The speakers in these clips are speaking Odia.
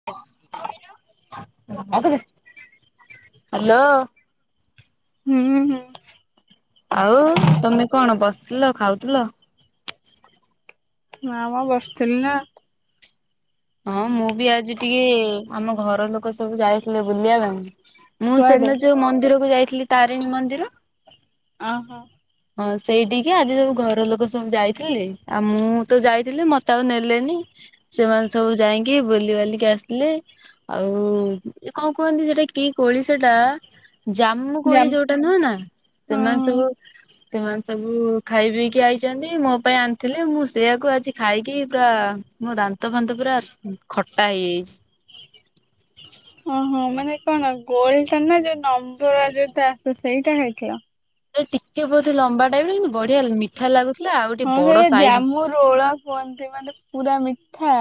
ହଉ। ହ୍ୟାଲୋ। ହୁଁ ହୁଁ। ଆଉ ତମେ କଣ ବସିଥିଲ, ଖାଉଥିଲ? ନା ମ ବସିଥିଲି ନା। ହଁ ମୁଁ ବି ଆଜି ଟିକେ ଆମ ଘର ଲୋକ ସବୁ ଯାଇଥିଲେ ବୁଲିବା ପାଇଁ। ମୁଁ କୁଆଡେ ସେଦିନ ଯୋଉ ମନ୍ଦିରକୁ ଯାଇଥିଲି ତାରେଣୀ ମନ୍ଦିର ଅଁହଁ। ହଁ ସେଇଠିକି ଆଜି ସବୁ ଘର ଲୋକ ସବୁ ଯାଇଥିଲେ। ଆଉ ମୁଁ ତ ଯାଇଥିଲି ମତେ ଆଉ ନେଲେନି ସେମାନେ ସବୁ ଯାଇଁକି ବୁଲିିବାଲିକି ଆସିଲେ। ଆଉ ଯୋଉ କଣ କୁହନ୍ତି ସେଇଟା କି କୋଳି ସେଇଟା? ଜାମୁକୋଳି ଜାମ୍ ଯୋଉଟା ନୁହଁ ନା? ସେମାନେ ଓହୋ ସବୁ ସେମାନେ ସବୁ ଖାଇ ପିଇକି ଆଇଛନ୍ତି। ମୋ ପାଇଁ ଆଣିଥିଲେ ମୁଁ ସେଇଆକୁ ଆଜି ଖାଇକି ପୁରା ମୋ ଦାନ୍ତ ଫାନ୍ତ ପୁରା ଉଁ ଖଟା ହେଇଯାଇଛି। ହଁ ମାନେ କଣ ଗୋଲଟା ନା ଯୋଉ ନମ୍ବୁରା ଯୋଉଟା ଆସେ ସେଇଟା ଖାଇଥିଲ? [unintelligible] ଟିକେ ବୋଧେ ଲମ୍ବା ଟାଇପର କିନ୍ତୁ ବଢିଆ ମିଠା ଲାଗୁଥିଲା ଆଉ ଟିକେ ହଁ ବଡ ସେଇଟା ସାଇଜ୍ [unintelligible] କୁହନ୍ତି ମାନେ ପୁରା ମିଠା।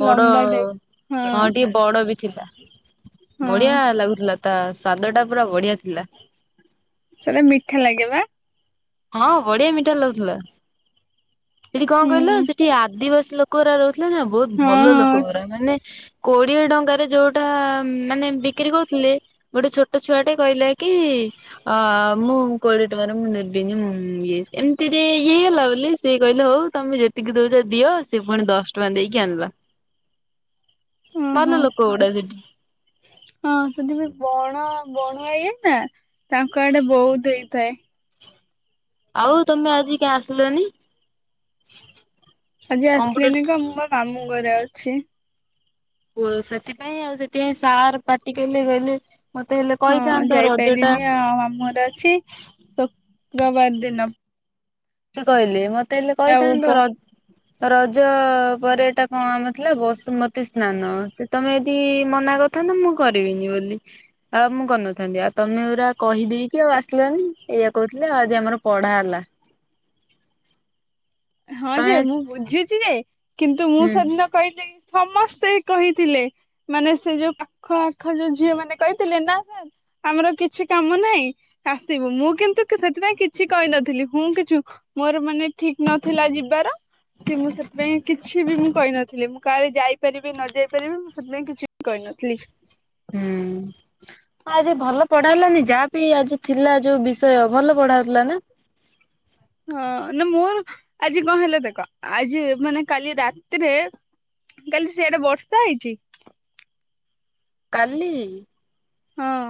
ବଡ଼ ଲମ୍ବା ଟାଇପ୍। ହଁ ଟିକେ ବଡ଼ ବି ଥିଲା। ହଁ ବଢିଆ ଲାଗୁଥିଲା। ତା ସ୍ଵାଦଟା ପୁରା ବଢିଆ ଥିଲା। ସେଗୁରା ମିଠା ଲାଗେ ବା? ହଁ ବଢିଆ ମିଠା ଲାଗୁଥିଲା। ସେଇଠି କଣ ହୁଁ କହିଲ ସେଇଠି ଆଦିବାସୀ ଲୋକଗୁରା ରହୁଥିଲେ ନା ବହୁତ୍ ହଁ ଭଲ ହଁ। ଲୋକଗୁରା ମାନେ କୋଡିଏ ଟଙ୍କାରେ ଯୋଉଟା ମାନେ ବିକ୍ରି କରୁଥିଲେ ଗୋଟେ ଛୋଟ ଛୁଆଟେ କହିଲା କି ଆଁ ମୁଁ କୋଡ଼ିଏ ଟଙ୍କାରେ ମୁଁ ନେବିନି ମୁଁ ଇଏ। ଏମିତିରେ ଇଏ ହେଇଗଲା ବୋଲି ସିଏ କହିଲେ ହଉ ତମେ ଯେତିକି ଦଉଛ ଦିଅ। ସେ ପୁଣି ଦଶ ଟଙ୍କା ଦେଇକି ଆଣିଲା। ଓହୋ ଭଲ ଲୋକଗୁଡା ସେଇଠି। ହଁ ସେଇଠି ବି ବଣ ବଣୁଆ ଇଏ ନା ତାଙ୍କ ଆଡେ ବହୁତ୍ ହେଇଥାଏ। ଆଉ ତମେ ଆଜି କାଇଁ ଆସିଲନି? ଆଜି କମ୍ପ୍ୟୁଟର ଆସିଲିନି ତ ମୁଁ ମୋ ମାମୁଁ ଘରେ ଅଛି। ଓ ସେଥିପାଇଁ ଆଉ ସେଥିପାଇଁ ସାର୍ ପାଟି କଲେ କହିଲେ ମତେ ହେଲେ ହଁ କହିଥାନ୍ତ ରଜ ଟା ଯାଇପାଇଲିନି ଆ ମାମୁଁ ଘରେ ଅଛି ଶୋକ୍ରବାର ଦିନ। ସେ କହିଲେ ମତେ ହେଲେ ଆଉ ପ କହିଥାନ୍ତ ର ରଜ ପରେ ଏଟା କଁ ଆମ ଥିଲା ବସୁମତୀ ସ୍ନାନ ସେ ତମେ ଏଦି ମନା କରିଥାନ୍ତ ମୁଁ କରିବିନି ବୋଲି ଆଉ ମୁଁ କରିନଥାନ୍ତି ଆ ତମେ ଉରା କହିଦେଇକି ଆଉ ଆସିଲନି ଏୟା କହୁଥିଲେ ଆ ଆଜି ଆମର ପଢା ହେଲା। ହଁ ଯେ ତମେ ମୁଁ ବୁଝୁଚି ଯେ କିନ୍ତୁ ମୁଁ ହୁଁ ସଦିନ କହିଦେଇ ସମସ୍ତେ କହିଥିଲେ। ମାନେ ସେ ଯୋଉ ପାଖ ଆଖ ଯୋଉ ଝିଅ ମାନେ କହିତିଲେ ନା ସାର୍ ଆମର କିଛି କାମ ନାହିଁ। ଆସିବୁ ମୁଁ କିନ୍ତୁ [unintelligible] ସେଥିପାଇଁ କିଛି କଇନଥିଲି ହୁଁ କି ଚୁଁ ମୋର ମାନେ ଠି ନଥିଲା ଯିବାର। କି ମୁଁ ସେଥିପାଇଁ କିଛି ବି ମୁଁ କହିନଥିଲି ମୁଁ କାଳେ ଯାଇପାରିବି ନ ଯାଇପାରିବି ମୁଁ ସେଥିପାଇଁ କିଛି [unintelligible] କହିନଥିଲି। ଉୁଁ। ଆ ଆଜି ଭଲ ପଢା ହେଲାନି ଯାହା ବିି ଆଜି ଥିଲା ଯୋଉ ବିଷୟ ଭଲ ପଢା ହଉତୁଲା ନା? ଅ ନା ମୋର ଆଜି କଁ ହେଲା ଦେକ ଆଜି ମାନେ କାଲି ରାତିରେ କାଲି ସିଆଡେ ବର୍ଷା ହେଇଚି? କାଲି?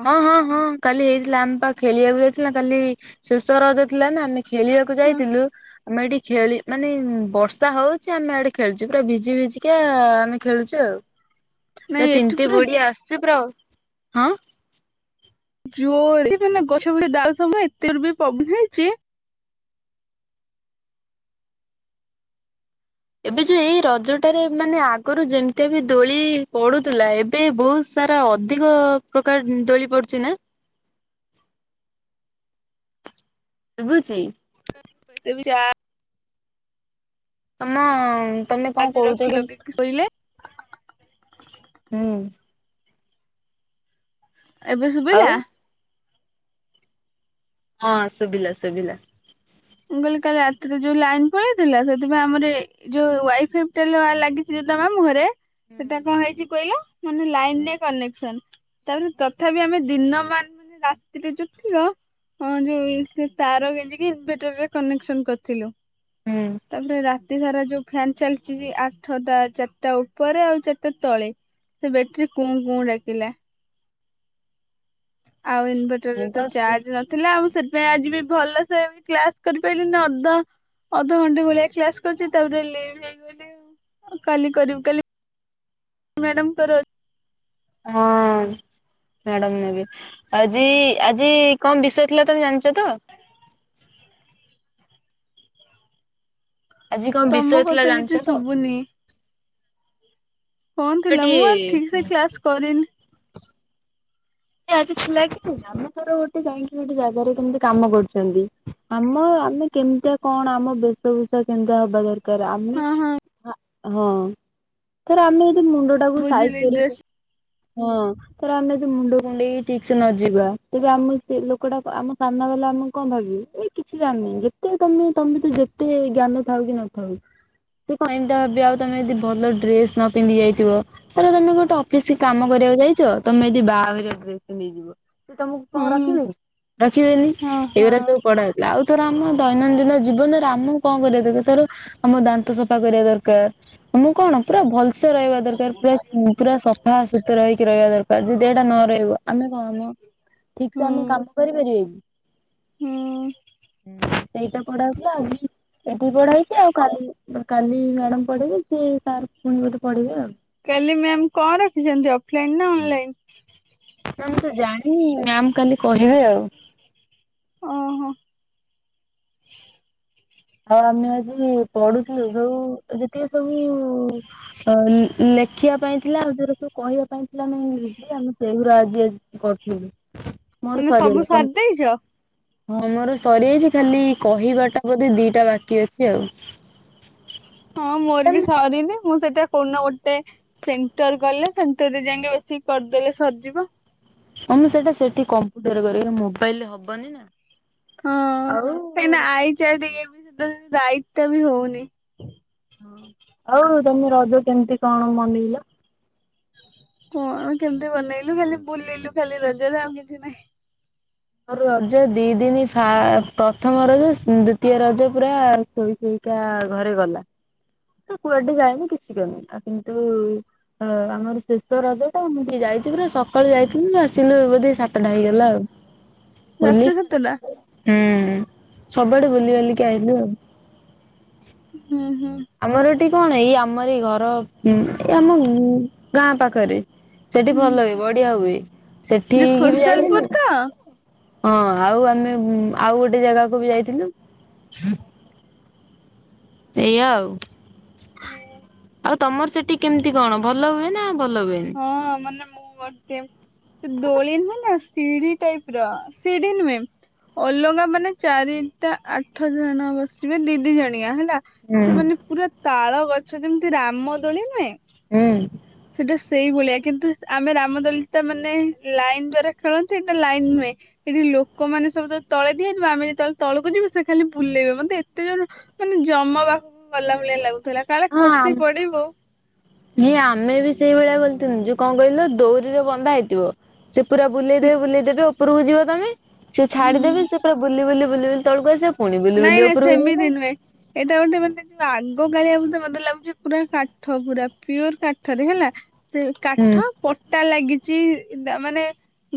ହଁ ହଁ ହଁ କାଲି ହେଇଥିଲା ଆମେ ପା ଖେଳିଆକୁ ଯାଇଥିଲୁ ନା କାଲି ଶେଷ ରଜ ଥିଲା ନା ଆମେ ଖେଳିଆକୁ ହଁ ଯାଇଥିଲୁ ଆମେ ଏଇଠି ଖେଳି ମାନେ ବର୍ଷା ହଉଚି ଆମେ ଏଠି ଖେଳୁଚୁ ପୁରା ଭିଜି ଭିଜିକା ଆ ଆମେ ଖେଳୁଚୁ ଆଉ। ପୁରା ନାଇଁ ଏଠି ତିନ୍ତି ପୁରା ବୁଡି ଆସିଚୁ ପୁରା ଆଉ ହାଁ? ଯୋରେ [unintelligible] ଏବେ ଯୋଉ ଏଇ ରଜଟା ରେ ମାନେ ଆଗରୁ ଯେମିତିଆ ବି ଦୋଳି ପଡୁତୁଲା ଏବେ ବହୁତ୍ ତାରା ଅଧିକ ପ୍ରକାର ଦୋଳି ପଡୁଚି ନା? ଶୁବୁଚି? [unintelligible] ତମ ତମେ କଁ କହୁଚ କିସ୍ ସୋଇଲେ? ହୁଁ। ଏବେ ଆଉ ଶୁବିଲା? ହଁ ଶୁଭିଲା ଶୁଭିଲା। ମୁଁ କହିଲି କାଲି ରାତିରେ ଯୋଉ ଲାଇନ୍ ପଳେଇ ଥିଲା ସେଥିପାଇଁ ଆମର ଏ ଯୋଉ ୱାଇ ଫାଇପ୍ ଟା ଲା ଲାଗିଚି ଯୋଉଟା ମାମୁଁ ଘରେ ସେଟା ହୁଁ କଁ ହେଇଚି କଇଲ? ମାନେ ଲାଇନ୍ ଲେ କନେକ୍ସନ। ତା ପରେ ତଥାପି ଆମେ ଦିନ ମାନ୍ ମାନେ ରାତିରେ ଯୋଉ ଥିବ ହଁ ଯୋଉ ଇ ସେ ତାର ଗେଞ୍ଜିକି ଇନଭେଟର ରେ କନେକ୍ସନ କରିଥିଲୁ। ଉୁଁ। ତା ପରେ ରାତି ସାରା ଯୋଉ ଫ୍ୟାନ ଚାଲିଚି ଆଠ ଟା, ଚାଟା ଉପରେ ଆଉ ଚାଟା ତଳେ। ସେ ବେଟରୀ କୁଁ କୁଁ ଡାକିଲା। ଆଉ ଇନଭେଟର ମୁଁ ରେ ତ ବା ସେ ଚାର୍ଜ ନ ଥିଲା ଆଉ ସେଥିପାଇଁ ଆଜି ବି ଭଲସେ କ୍ଲାସ କରି ପାଇଲିନି ଅଧ ଅଧ ଘଣ୍ଟେ ଭଳିଆ କ୍ଲାସ କରିଚି ତା ପରେ ଲିଭ୍ ହେଇଗଲି ଆଉ [unintelligible] କାଲି କରିବି କାଲି ମ୍ୟାଡ଼ାମ୍ ଙ୍କ ର ଅ ହଁ। ମ୍ୟାଡାମ୍ ନେବେ ଆଜି ଆଜି କଣ ବିଷୟ ଥିଲା ତମେ ଜାଣିଚ ତ? ଆଜି କଁ ବିଷୟ ତମ ଥିଲା କଥା କିଛି ଜାଣିଚ ତ? ଶୁଭୁନି କଁ ଥିଲା ଗୋଟେ ମୁଁ ଆଉ ଠିକ୍ ସେ କ୍ଲାସ କରିନି। [unintelligible] ଆଜି ଥିଲା କି ଆମେ ଥର ଗୋଟେ ଯାଇଁକି ଗୋଟେ ଜାଗାରେ କେମିତି କାମ କରୁଚନ୍ତି। ଆମ ଆମେ କେମିତିଆ କଣ, ଆମ ବେଶଭୂଷା କେମିତିଆ ହବା ଦର କାର ଆମେ ହଁ ହଁ ହଁ ଧର ଆମେ ଏଇଠି ମୁଣ୍ଡ ତାକୁ ସାଇଜ୍ ବୁଝିଲି କରିକି, ଡ୍ରେସ୍ ହିଁ ଧର ଆମେ ଏଇଠି ମୁଣ୍ଡ କୁଣ୍ଡେଇକି ଠିକ୍ ସେ ନ ଯିବା ତେବେ ଆମ ସେ ଲୋକଟା ଆମ ସାମ୍ନା ବାଲା ଆମକୁ କଣ ଭାବିବେ, ଏଇ କିଛି ଜାଣିନି। ଯେ ତେଣୁ ତୋମେ ତୋମ ଭିତିରେ ଯେତେ ଜ୍ଞାନ ଥାଉ କି ନ ଥାଉ। ସେ କଣ ଏମତି ବି ଆଉ ତୋମେ ଯଦି ଭଲ ଡ୍ରେସ୍ ନ ପିନ୍ଧିକି ଯାଇଥିବ। ଧର ତୋମେ ଗୋଟେ ଅଫିସି କାମ କରିବାକୁ ଯାଇଛ, ତୋମେ ଯଦି ବାହାଘରିଆ ଡ୍ରେସ୍ ଟେ ନେଇଯିବ ସେ ତୋମକୁ କଣ ହୁଁ ରଖିବେନି। ରଖିବେନି ହଁ ଏଇ ହଁ ଗୁଡା ସବୁ ପଢା ହେଇଥିଲା। ଆଉ ଧର ଆମ ଦୈନନ୍ଦିନ ଜୀବନରେ ଆମକୁ କଣ କରିବା କଥା ଧର ଆମ ଦାନ୍ତ ସଫା କରିବା ଦରକାର। ମୁଁ କଣ ପୁରା ଭଲସେ ରହିବା ଦରକାର, ପୁରା ଉଁ, ପୁରା ସଫା ସତୁରା ହେଇକି ରହିବା ଦରକାର। ଯଦି ଏଇଟା ନ ରହିବ ଆମେ କନ ଠିକ୍ ସେ ହୁଁ ଆମେ କାମ କରିପାରିବା କି? ହୁଁ ହୁଁ, ସେଇଟା ପଢା ହଉଥିଲା, ଆଜି ଅଧେ ପଢା ହେଇଛି ଆଉ କାଲି ତ କାଲି ମ୍ୟାଡାମ୍ ପଢ଼େଇବେ କେ ସାର୍ ପୁଣି ବୋଧେ ପଢେଇବେ ଆଉ। କାଲି ମ୍ୟାମ୍ କଣ ରଖିଛନ୍ତି ଅଫ୍ ଲାଇନ୍ ନା ଅନ୍ ଲାଇନ୍? ନା ମୁଁ ତ ଜାଣିନି ମ୍ୟାମ୍ କାଲି କହିବେ ଆଉ। ଅ, ହଁ। ହଁ ଆମେ ଆଜି ପଢୁଥିଲୁ ସବୁ ଏ ଯେତିିକ ସବୁ ଅ, ଲି-ଲେଖିବା ପାଇଁ ଥିଲା, ଆଉ ଯୋଉରା ସବୁ କହିବା ପାଇଁ ଥିଲା ଆମେ ଇଂଲିଶରେ ଆମ ସେଇ ଗୁରା ଆଜି ଆଜି କରୁଥିଲି, ମୋର ମାନେ ସବୁ ସରିଗଲା, ତୋମ ସାରି ଦେଇଛ ମନରୁ ସରିଯାଇଛି, ଖାଲି କହିବା ଟା ବୋଧେ ଦିଟା ବାକି ଅଛି ଆଉ। ହଁ, ମୋର ବି ସରିନି, ମୁଁ ସେଟା କୋଉନ ଗୋଟେ ସେଣ୍ଟର ଗଲେ, ସେଣ୍ଟର ରେ ଯାଇକି ବସିକି କରିଦେଲେ ସରିଯିବ। ତୋମେ ସେଇଟା ସେଠି କମ୍ପ୍ୟୁଟର ରେ କରିବ ମୋବାଇଲ୍ ରେ ହବନି ନା। ହଁ, କାହିଁକି ନା ଆଉ ଆଇ ଚାଟ୍ ଇଏ ବି ସେଥିରେ ରାଇଟ୍ ଟା ବି ହଉନି। ଆଉ ତୋମେ ରଜ କେମିତି କଣ ମନେଇଲ? କଣ କେମିତି ବନେଇଲୁ, ଖାଲି ବୁଲିଲୁ ଖାଲି ରଜରେ ଆଉ କିଛି ନାହିଁ। ରଜ ଦି ଦିନି ଫା- ପ୍ରଥମ ରଜ ଉଁ, ଦ୍ଵିତୀୟ ରଜ ପୁରା ଶୋଇ ଶୋଇ କା ଘରେ ଗଲା ଆଉ କୁଆଡେ ଯାଇନି କିଛି କରିନି। ଆଉ କିନ୍ତୁ ଅ, ଆମର ଶେଷ ରଜ ଟା ମୁଁ ଟିକେ ଯାଇଛି, ପୁରା ସକାଳୁ ଯାଇଥିନି ଯେ ଆସିଲୁ ବୋଧେ ସାତଟା ହେଇଗଲା ଆଉ। ବୁଲି, ସତେ ସତଟା ହୁଁ, ସବୁଆଡେ ବୁଲି ବାଲିକି ଆଇଲୁ ଆଉ। ହୁଁ, ହୁଁ। ଆମର ଏଠି କଣ ଏଇ ଆମର ଏଇ ଘର ଉ ଏଇ ଆମ ଗାଁ ପାଖରେ ସେଠି ହୁଁ ଭଲ ହୁଏ, ବଢିଆ ହୁଏ, ସେଠି ଯୋଉ କି ବି ଖୋସାଲପୁର ଯାଇଥିଲି। ତ? ହଁ ଆଉ ଆମେ ଉଁ, ଆଉ ଗୋଟେ ଜାଗାକୁ ବି ଯାଇଥିଲୁ। ସେଇଆ ଆଉ, ଆଉ ତୋମର ସେଟି କେମିତି କଣ ଭଲ ହୁଏ ନା ଭଲ ହୁଏ ହଁ ମାନେ ମୁଁ ଗୋଟେ ସେ ଦୋଳି ନୁହେଁ ନା। ସିଢି ଟାଇପ୍ ର ସିଢି ନୁହେଁ। ଅଲଗା ମାନେ ଚାରିଟା ଆଠ ଜଣ ବସିବେ ଦି ଦି ଜଣିଆ ହେଲା। ହୁଁ ସେ ମାନେ ପୁରା ତାଳ ଗଛ ଯେମିତି ରାମ ଦୋଳି ନୁହେଁ। ହୁଁ। ସେଟା ସେଇ ଭଳିଆ କିନ୍ତୁ ଆମେ ରାମ ଦୋଳିଟା ମାନେ ଲାଇନ୍ ଦ୍ଵାରା ଖେଳନ୍ତି, ଏଟା ଲାଇନ୍ ନୁହେଁ। ଏଠି ଲୋକମାନେ ସବୁ ତ ତଳେ ଠିଆହେଇଥିବେ, ଆମେ ଯେତେବେଳେ ତଳକୁ ଯିବୁ ସେ ଖାଲି ବୁଲେଇବେ, ମୋତେ ଏତେ ଜୋର ମାନେ ଯମ ପାଖକୁ ଗଲା ଭଳିଆ ଲାଗୁଥିଲା କାଳେ ଖସି ପଡିବ। ହେଇ ଆମେ ବି ସେଇଭଳିଆ କରିଥିଲୁ ଯେ କଣ କହିଲ ଦଉରି ରେ ବନ୍ଧା ହେଇଥିବ। ସେ ପୁରା ବୁଲେଇଦେବେ ବୁଲେଇଦେବେ ଉପରକୁ ଯିବ ତୋମେ, ସେ ହୁଁ ଛାଡିଦେବେ ସେ ପୁରା ବୁଲି ବୁଲି ବୁଲି ବୁଲି ତଳକୁ ଆସିବା ପୁଣି ବୁଲ ନାଇଁ ବୁଲି ନାଇଁ ଉପରକୁ ସେମିତି ଯିବ। ନୁହେଁ ଏଇଟା ଗୋଟେ ମାନେ ଯୋଉ ଆଗ କାଳିଆକୁ ତ ମୋତେ ଲାଗୁଛି ପୁରା କାଠ, ପୁରା ପିଓର୍ କାଠରେ ହେଲା। ସେ ହୁଁ। କାଠ ପଟା ଲାଗିଚି ତା ମାନେ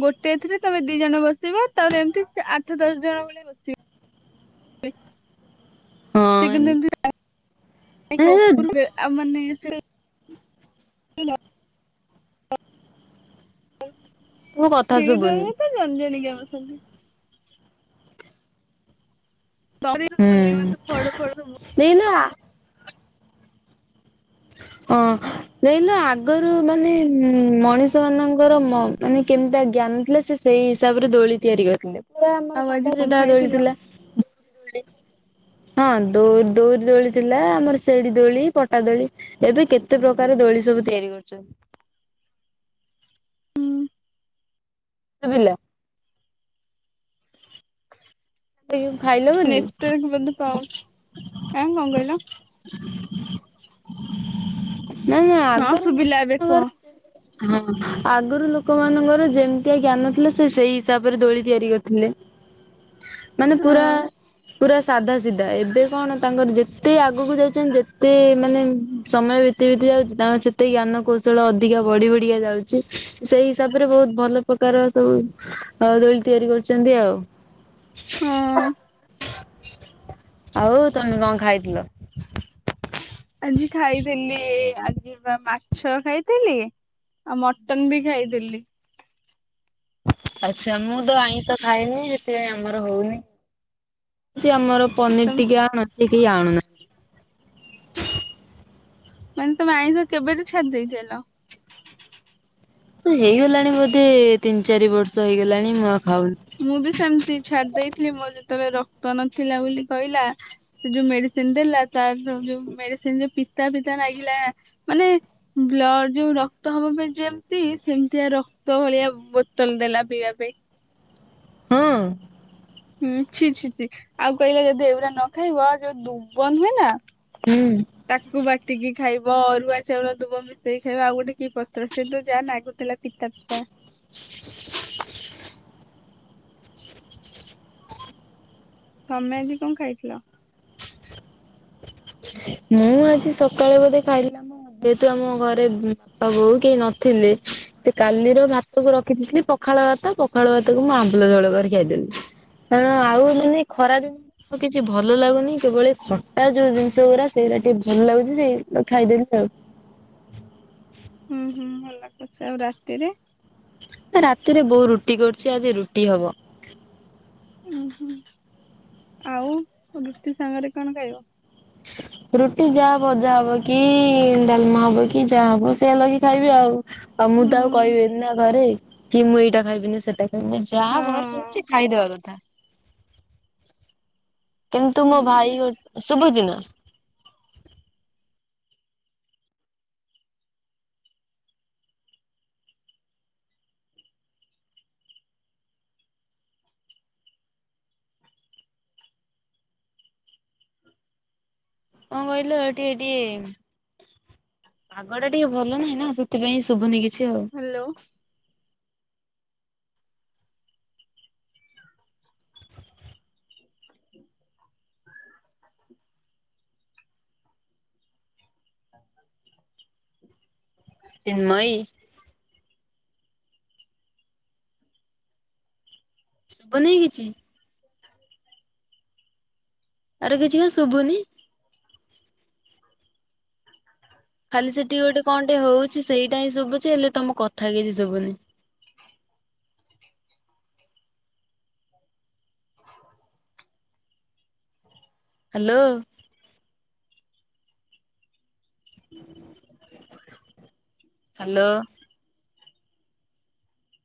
ଗୋଟେ ଥିରେ ତୋମେ ଦି ଜଣ ବସିବ, ତାପରେ ଏମିତି ସେ ଆଠ ଦଶ ଜଣ ଭଳିଆ ବସିବେ। ହଁ ସେ କିନ୍ତୁ ଏମି ଏମତି [unintelligible] ଏ ଯାଇକି ଉପରୁ ଆ ମାନେ ତମ କଥା ଶ୍ରୀ ଶୁଭୁନି ଦର ତ ଜଣ ଜଣ କିଆ ବସନ୍ତୀ। ସରିଦବୁନି ହୁଁ ମତେ ଫଳ ଫଳ ସବୁ [unintelligible] ହଁ ଦେହିଲୁ ଆଗରୁ ମାନେ ଉଁ ମଣିଷ ମାନଙ୍କର ମ୍ ମାନେ କେମିତିଆ ଜ୍ଞାନୀ ଥିଲେ ସେଇ ହିସାବରେ ଦୋଳି ତିଆରି କରିଥିଲେ। ସେତେବେଳେ ଆମର ଆଉ ଆଜି ସାଧା କଣ ସିଧା ଦୋଳି ଖାଇଥିଲ? ଥିଲା। ହଁ ଦୋ ଦୋରି ଦୋଳି ଥିଲା ଆମର ସେଡି ଦୋଳି, ପଟା ଦୋଳି। ଏବେ କେତେ ପ୍ରକାର ଦୋଳି ସବୁ ତିଆରି କରୁଛନ୍ତି। ହୁଁ। ଶୁଭିଲା। ସେଇଯୋଗୁ ଖାଇଲ ବୋଲି। ନେଟୱାର୍କ ବୋଧେ ପାଉନି ଆଁ କଣ କହିଲ [inaudible] ନା ନା ହଁ ଆଗରୁ ଶୁଭିଲା ଏବେ କୁହ ନଗର ହଁ ଆଗରୁ ଲୋକମାନଙ୍କର ଯେମିତିଆ ଜ୍ଞାନ ଥିଲା ସେ ସେଇ ହିସାବରେ ଦୋଳି ତିଆରି କରିଥିଲେ। ମାନେ ହଁ ପୁରା ପୁରା ସାଧା ସିଧା ଏବେ କଣ ତାଙ୍କର ଯେତେ ଆଗକୁ ଯାଉଛନ୍ତି ଯେତେ ମାନେ ସମୟ ବି ବିତି ବିତି ଯାଉଛି ତାଙ୍କର ସେତକି ଜ୍ଞାନକୌଶଳ ଅଧିକା ବଢି ବଢିକା ଯାଉଛି। ସେଇ ହିସାବରେ ବହୁତ ଭଲ ପ୍ରକାର ସବୁ ଅ ଦୋଳି ତିଆରି କରୁଛନ୍ତି ଆଉ। ହଁ। ଆଉ ତମେ କଣ ଖାଇଥିଲ? ଆଜି ଖାଇଥିଲି ଆଜି ବା ମାଛ ଖାଇଥିଲି। ଆଉ ମଟନ ବି ଖାଇଥିଲି। ଆଚ୍ଛା ମୁଁ ତ ଆଇଁସ ଖାଏନି ସେଥିପାଇଁ ଆମର ହଉନି। ସେ ଆମର ପନିର ତମେ ଟିକେ ଆଣନ୍ତି କେହି ଆଣୁ ନାହାନ୍ତି। ମାନେ ତମେ ଆଇଁଷ କେବେଠୁ ଛାଡି ଦେଇଛଲ? ହେଇଗଲାଣି ବୋଧେ ତିନି ଚାରି ବର୍ଷ ହେଇଗଲାଣି ମୁ ଆଉ ଖାଉନି। ମୁଁ ବି ସେମିତି ଛାଡି ଦେଇଥିଲି ମୋ ଯେତେବେଳେ ରକ୍ତ ନଥିଲା ବୋଲି କହିଲା। ସେ ଯୋଉ ମେଡିସିନ ଦେଲା ତ ଯୋଉ ମେଡିସିନ ଯୋ ପିତା ପିତା ଲାଗିଲା। ମାନେ ବ୍ଲଡ ଯୋଉ ରକ୍ତ ହବା ପାଇଁ ଯେମତି ସେମିତିଆ ରକ୍ତ ଭଳିଆ ବୋତଲ ଦେଲା ପିଇବା ପାଇଁ। ହଁ। ହୁଁ ଛି ଛି ଛିି ଆଉ କହିଲା ଯଦି ଏଇଗୁଡା ନ ଖାଇବ ଯୋଉ ଦୁବ ନୁହେଁ ନା? ହୁଁ। ତାକୁ ବାଟିକି ଖାଇବ, ଅରୁଆ ଚାଉଳ ଦୁବ ମିଶେଇକି ଖାଇବ, ଆଉ ଗୋଟେ କି ପତ୍ର ସେ ତ ଯାହା ନାଗୁଥିଲା। ପିତା ପିତା। ତମେ ଆଜି କଣ ଖାଇଥିଲ? ମୁଁ ଆଜି ସକାଳୁ ବୋଧେ ଖାଇଥିଲି ଆମ ଯେହେତୁ ଆମ ଘରେ ବାପା ବୋଉ କେହି ନଥିଲେ ସେ କାଲିର ଭାତକୁ ର ଥିଲି ପଖାଳ ଭାତ ପଖାଳ ଭାତକୁ ମୁଁ ଆମ୍ବୁଳ ଝୋଳ କରି ଖାଇଦେଲି। କାରଣ ଆଉ ମାନେ ଖରା ଜଉ କିଛି ଭଲ ଲାଗୁନି କେବଳ ଏ ଖଟା ଯଉ ଜିନିଷ ଶ ଉରା ସେଉରା ଟିକେ ଭଲ ଲାଗୁଚି ଯେ ଖାଇଦେଲି ଆଉ। ହୁଁ ହୁଁ ଭଲ କରୁଚ ଆଉ ରାତିରେ? ରାତିରେ ବୋଉ ରୁଟି କରିଚି ଆଜି ରୁଟି ହବ। ଉଁ ହୁଁ ଆଉ ରୁଟି ସାଙ୍ଗରେ କଣ ଖାଇବ? [unintelligible] ରୁଟି ଯାହା ଭଜା ହବ କି ଡାଲମା ହବ କି ଯାହା ହବ ସେୟା ଲଗେଇକି ଖାଇବି ଆଉ। ଆଉ ମୁଁ ତ ଆଉ ହୁଁ କହିବିନି ନା ଘରେ କି ମୁଁ ଏଇଟା ଖାଇବିନି ସେଟା ଖାଇବିନି, ଯାହା ଘରେ ହଁ ହଉଚି ଖାଇଦବା କଥା। କିନ୍ତୁ ହୁଁ ମୋ ଭାଇ ଗୋ ସୁବୁଚି ନା? କଁ କହିଲୁ ଏଠି ଏଠି ପାଗ ଟା ଟିକେ ଭଲ ନାହିଁ ନା ସେଥିପାଇଁ ଶୁଭୁନି କିଛି ଆଉ। ହାଲୋ। ଚିନ୍ମୟୀ। ଶୁଭୁନି କିଛି? ଆରେ କିଛି କଣ ଶୁଭୁନି? ଖାଲି ସେଠିକି ଗୋଟେ କଣଟେ ହଉଛି ସେଇଟା ହିଁ ଶୁଭୁଚି ହେଲେ ତମ କଥା କିଛି ଶୁଭୁନି। ହାଲୋ। ହା ଲୋ।